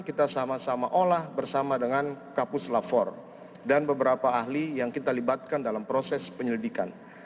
kita sama sama olah bersama dengan kapus lafor dan beberapa ahli yang kita libatkan dalam proses penyelidikan